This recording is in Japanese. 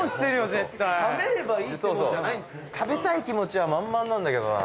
千賀：食べたい気持ちは満々なんだけどな。